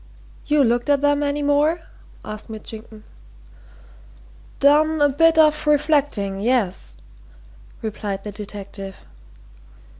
"You looked at 'em any more?" asked Mitchington. "Done a bit of reflecting yes," replied the detective.